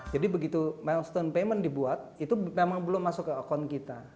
jadi begitu milestone payment dibuat itu memang belum masuk ke akun kita